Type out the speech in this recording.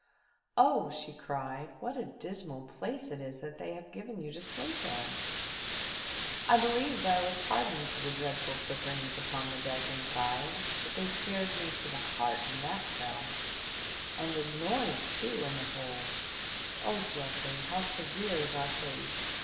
"Oh," she cried, "what a dismal place is that they have given you to sleep in ! I believed I was hardened to the dreadful flickerings upon the deck and sides, but they scared me to the heart in that cell — and the noises too in the hold ! Oh, Geoffrey, how severe is our fate